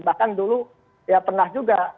bahkan dulu ya pernah juga